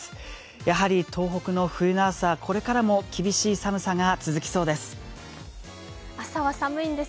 やはり東北の冬の朝、これからも厳しい寒さが続きそうです。